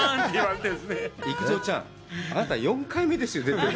幾三ちゃん、あなた４回目ですよ。